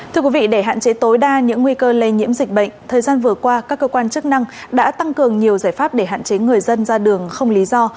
thưa quý vị để hạn chế tối đa những nguy cơ lây nhiễm dịch bệnh thời gian vừa qua các cơ quan chức năng đã tăng cường nhiều giải pháp để hạn chế người dân ra đường không lý do